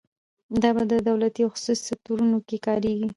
دا په دولتي او خصوصي سکتورونو کې کاریږي.